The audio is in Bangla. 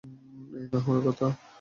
এই না হলে কথা।